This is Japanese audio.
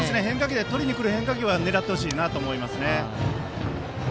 とりに来る変化球は狙ってほしいなと思います。